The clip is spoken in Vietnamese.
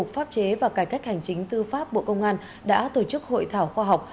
pháp chế và cải cách hành chính tư pháp bộ công an đã tổ chức hội thảo khoa học